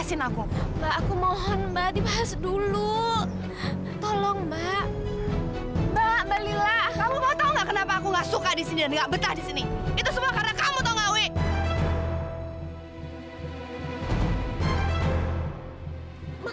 sampai jumpa di video selanjutnya